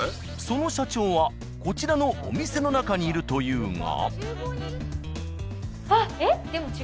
その社長はこちらのお店の中にいるというが。